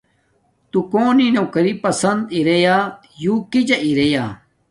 تو کونی نوکاری بوت ہسند اریا یو کیجا اریا؟